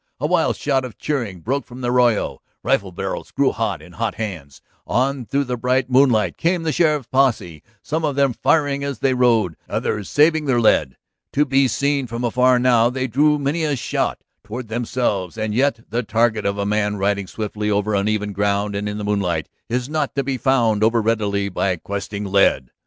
A wild shout of cheering broke from the arroyo; rifle barrels grew hot in hot hands. On through the bright moonlight came the sheriff's posse, some of them firing as they rode, others saving their lead. To be seen from afar now, they drew many a shot toward themselves. And yet the target of a man riding swiftly over uneven ground and in the moonlight is not to be found overreadily by questing lead.